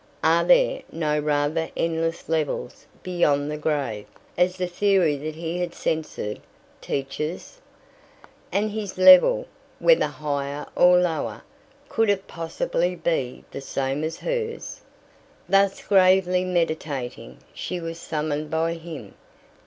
Are there not rather endless levels beyond the grave, as the theory that he had censured teaches? And his level, whether higher or lower, could it possibly be the same as hers? Thus gravely meditating, she was summoned by him.